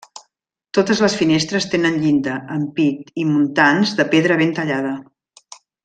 Totes les finestres tenen llinda, ampit i muntants de pedra ben tallada.